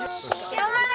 頑張れ！